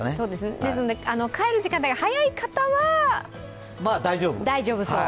ですので、帰る時間が早い方は大丈夫そう。